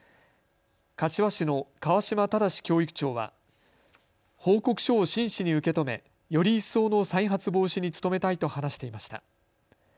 柏市の河嶌貞教育長は報告書を真摯に受け止めより一層の再発防止に努めたいと話していました。